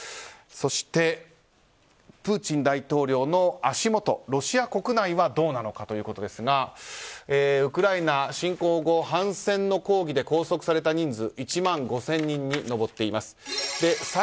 そして、プーチン大統領の足元ロシア国内はどうなのかというとウクライナ侵攻後反戦の抗議で拘束された人数１万５０００人に上っています。